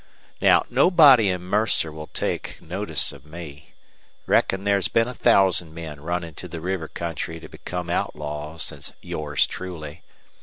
Now, nobody in Mercer will take notice of me. Reckon there's been a thousand men run into the river country to become outlaws since yours truly.